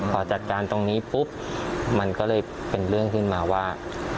พอจัดการตรงนี้ปุ๊บมันก็เลยเป็นเรื่องขึ้นมาว่า